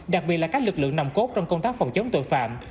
đặc biệt là các lực lượng nằm cốt trong công tác phòng chống tội phạm